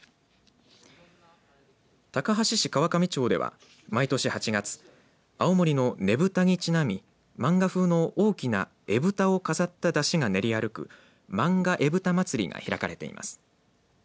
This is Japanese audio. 高梁市川上町では、毎年８月青森のねぶたにちなみ漫画風の大きな絵ぶたを飾った山車が練り歩くマンガ絵ぶたまつりが開かれています。